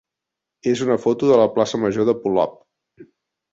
és una foto de la plaça major de Polop.